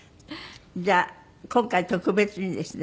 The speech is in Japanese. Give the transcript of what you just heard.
じゃあ今回特別にですね